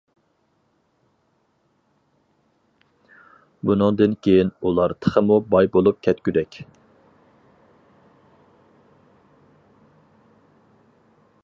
بۇنىڭدىن كىيىن ئۇلار تېخىمۇ باي بولۇپ كەتكۈدەك.